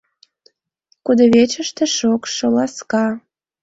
Кудывечыште шокшо, ласка.